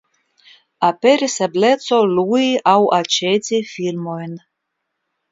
Aperis ebleco lui aŭ aĉeti filmojn.